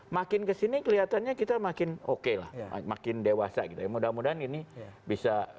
empat ratus sebelas dua ratus dua belas makin kesini kelihatannya kita makin oke lah makin dewasa kita mudah mudahan ini bisa